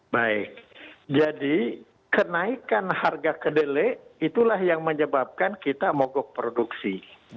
baik jadi kenaikan harga kedelai itulah yang menyebabkan kita mogok produksi